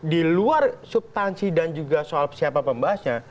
di luar subtansi dan juga soal siapa pembahasnya